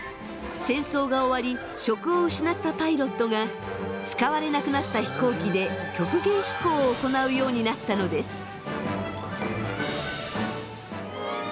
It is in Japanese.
戦争が終わり職を失ったパイロットが使われなくなった飛行機で曲芸飛行を行うようになったのです。